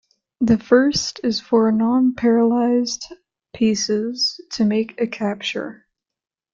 The first is for a non-paralysed pieces to make a capture.